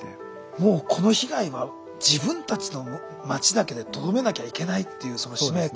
もうこの被害は自分たちの町だけでとどめなきゃいけないっていうその使命感。